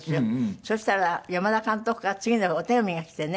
そしたら山田監督から次の日お手紙が来てね